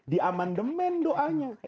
di amandemen doanya